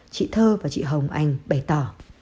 chị thơ và chị hồng anh bày tỏ